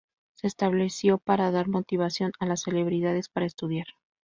Se estableció para dar motivación a las celebridades para estudiar.